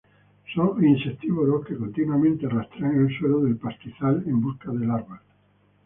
Son insectívoros, que continuamente rastrean el suelo del pastizal, en busca de larvas.